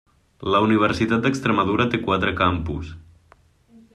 La Universitat d'Extremadura té quatre campus: